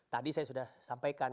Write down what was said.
tadi saya sudah sampaikan